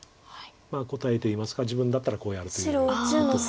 答えといいますか自分だったらこうやるというようなことを。